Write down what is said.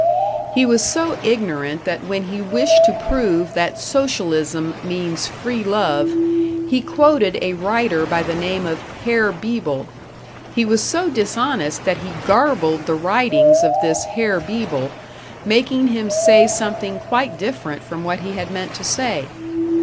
He was so ignorant that when he wished to prove that Socialism means free love, he quoted a writer by the name of "Herr Beeble"; he was so dishonest that he garbled the writings of this "Herr Beeble", making him say something quite different from what he had meant to say.